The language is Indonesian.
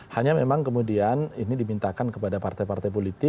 hanya memang kemudian ini dimintakan kepada partai partai politik